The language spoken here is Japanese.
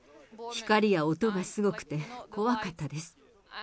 光や音がすごくて怖かったです。